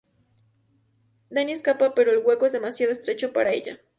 Danny escapa, pero el hueco es demasiado estrecho para ella.